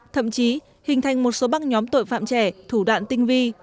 thậm chí hình thành một số băng nhóm tội phạm trẻ thủ đoạn tinh vi